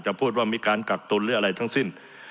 พูดว่ามีการกักตุลหรืออะไรทั้งสิ้น